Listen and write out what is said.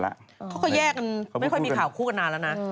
เขาก็แยกกันไม่ค่อยมีข่าวคู่กันนานแล้วนะ